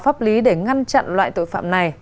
pháp lý để ngăn chặn loại tội phạm này